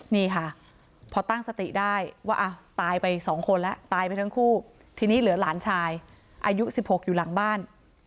นี่ค่ะพอตั้งสติได้ว่าตายไปสองคนแล้วตายไปทั้งคู่ทีนี้เหลือหลานชายอายุ๑๖อยู่หลังบ้าน